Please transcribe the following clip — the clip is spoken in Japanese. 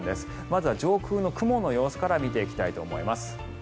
まずは上空の雲の様子から見ていきたいと思います。